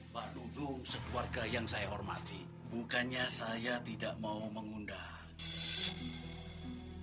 pak dudung sekeluarga yang saya hormati bukannya saya tidak mau mengundang